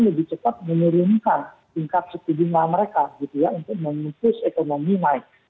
lebih cepat menurunkan tingkat setidiknya mereka gitu ya untuk menutup ekonomi naik